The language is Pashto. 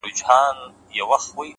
وخت د غفلت زیان نه پټوي